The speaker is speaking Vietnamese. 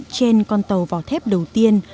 trên con tàu vỏ thép đầu tiên